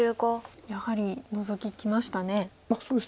やはりノゾキきましたね。